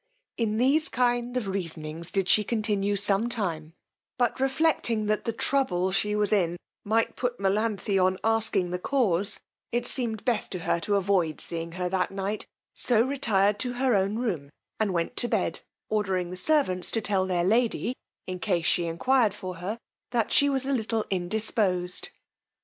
In these kind of reasonings did she continue some time; but reflecting that the trouble she was in might put Melanthe on asking the cause, it seemed best to her to avoid seeing her that night, so retired to her own room and went to bed, ordering the servants to tell their lady, in case she enquired for her, that she was a little indisposed.